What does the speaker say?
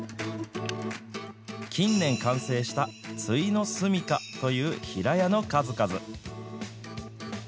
近年完成したついの住みかという平屋の数々。